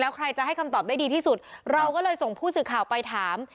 ใครจะให้คำตอบได้ดีที่สุดเราก็เลยส่งผู้สื่อข่าวไปถาม